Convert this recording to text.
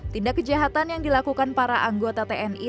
tindak kejahatan yang dilakukan para anggota tni